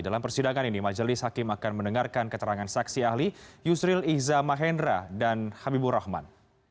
dalam persidangan ini majelis hakim akan mendengarkan keterangan saksi ahli yusril iza mahendra dan habibur rahman